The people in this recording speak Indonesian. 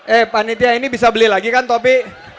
eh panitia ini bisa beli lagi kan topi